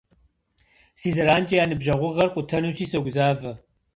Си зэранкӏэ я ныбжьэгъугъэр къутэнущи согузавэ.